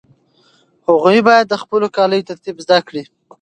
هغوی باید د خپلو کاليو ترتیب زده کړي.